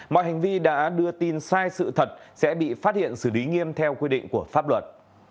mọi hành vi đã đưa tin sai sự thật sẽ bị phát hiện xử lý nghiêm theo quy định của pháp luật